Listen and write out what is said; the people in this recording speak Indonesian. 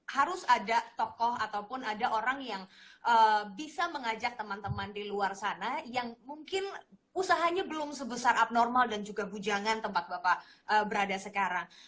harus ada tokoh ataupun ada orang yang bisa mengajak teman teman di luar sana yang mungkin usahanya belum sebesar abnormal dan juga bujangan tempat bapak berada sekarang